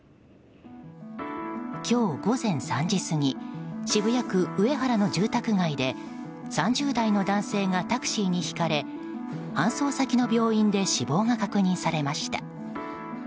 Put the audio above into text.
今日午前３時過ぎ渋谷区上原の住宅街で３０代の男性がタクシーに引かれ搬送先の病院で死亡が確認されました。